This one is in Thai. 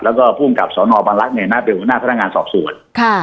แล้วก็ภูมิกับสนบังลักษณ์เนี่ยน่าเป็นหัวหน้าพนักงานสอบสวน